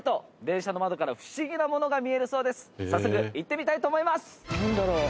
早速行ってみたいと思います。